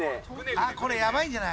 あっこれやばいんじゃない？